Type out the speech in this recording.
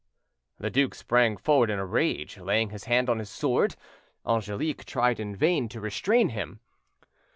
The duke sprang forward in a rage, laying his hand on his sword. Angelique tried in vain to restrain him.